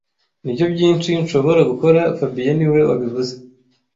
Nibyo byinshi nshobora gukora fabien niwe wabivuze